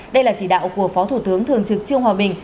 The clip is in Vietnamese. đây là chỉ đạo của phó thủ tướng thường trực trương hòa bình